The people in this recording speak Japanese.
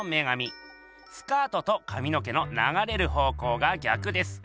スカートとかみの毛のながれる方向が逆です。